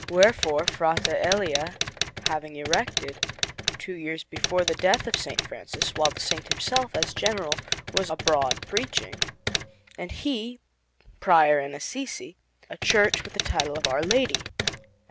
Wherefore, Frate Elia having erected, two years before the death of S. Francis (while the Saint himself, as General, was abroad preaching, and he, Prior in Assisi), a church with the title of Our Lady, and S.